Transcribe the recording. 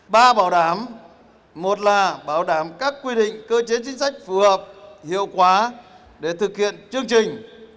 ba bảo đảm một là bảo đảm các quy định cơ chế chính sách phù hợp hiệu quả để thực hiện chương trình